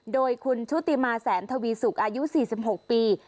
โดยคุณชุติมาแสนทวีสุกอายุ๔๖ปี